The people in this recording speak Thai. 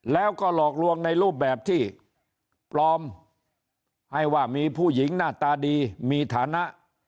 แล้วก็หลอกลวงในรูปแบบที่ปลอมให้ว่ามีผู้หญิงหน้าตาดีมีฐานะ